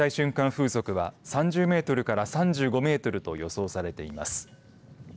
風速は３０メートルから３５メートルと予想されています。